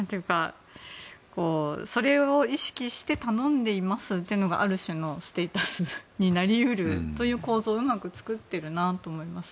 それを意識して頼んでいるのがある種のステータスになり得る構造をうまく作っているなと思います。